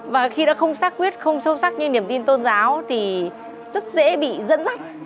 và khi nó không sắc quyết không sâu sắc như niềm tin tôn giáo thì rất dễ bị dẫn dắt